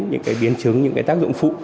những cái biến chứng những cái tác dụng phụ